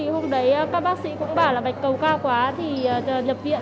hôm đấy các bác sĩ cũng bảo là bạch cầu cao quá thì nhập viện